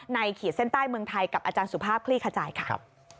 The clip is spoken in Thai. ขีดเส้นใต้เมืองไทยกับอาจารย์สุภาพคลี่ขจายค่ะ